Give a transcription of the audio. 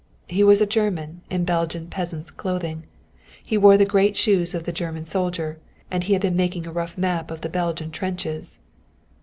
He was a German in Belgian peasant's clothing. But he wore the great shoes of the German soldier, and he had been making a rough map of the Belgian trenches.